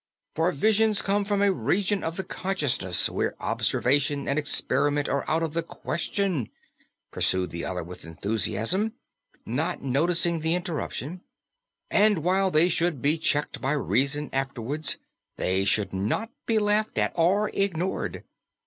"For Visions come from a region of the consciousness where observation and experiment are out of the question," pursued the other with enthusiasm, not noticing the interruption, "and, while they should be checked by reason afterwards, they should not be laughed at or ignored.